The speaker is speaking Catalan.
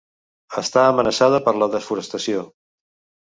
Està amenaçada per la desforestació.